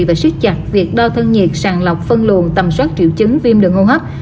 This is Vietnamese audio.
và siết chặt việc đo thân nhiệt sàn lọc phân luồn tầm soát triệu chứng viêm đường hô hấp